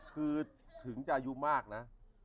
คือถึงจะอายุมากนะ